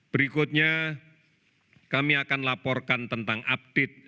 berikutnya kami akan laporkan tentang update